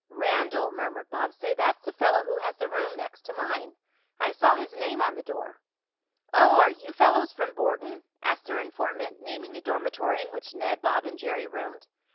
"Randell," murmured Bob. "Say, that's the fellow who has the room next to mine. I saw his name on the door." "Oh, are you fellows from Borton?" asked their informant, naming the dormitory in which Ned, Bob and Jerry roomed.